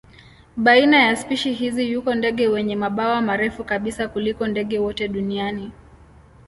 Baina ya spishi hizi yuko ndege wenye mabawa marefu kabisa kuliko ndege wote duniani.